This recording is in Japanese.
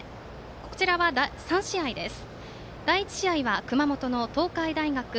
こちらは３試合です。